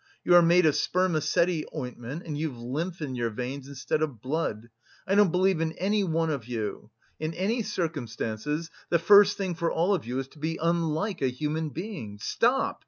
You are made of spermaceti ointment and you've lymph in your veins instead of blood. I don't believe in anyone of you! In any circumstances the first thing for all of you is to be unlike a human being! Stop!"